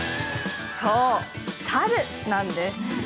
そう、猿なんです。